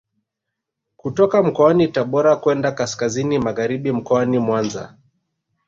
Kutoka mkoani Tabora kwenda kaskazini magharibi mkoani Mwanza